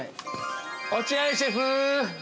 落合シェフ。